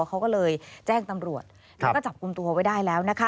เขาก็เลยแจ้งตำรวจแล้วก็จับกลุ่มตัวไว้ได้แล้วนะคะ